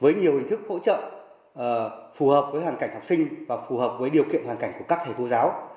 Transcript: với nhiều hình thức hỗ trợ phù hợp với hoàn cảnh học sinh và phù hợp với điều kiện hoàn cảnh của các thầy cô giáo